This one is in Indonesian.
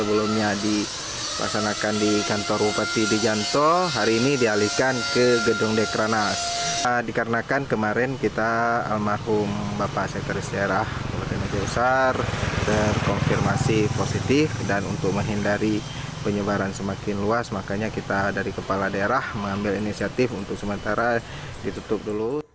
besar terkonfirmasi positif dan untuk menghindari penyebaran semakin luas makanya kita dari kepala daerah mengambil inisiatif untuk sementara ditutup dulu